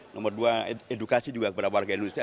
nomor dua edukasi juga kepada warga indonesia